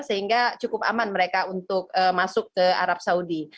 sehingga cukup aman mereka untuk masuk ke arab saudi